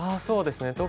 そうですね。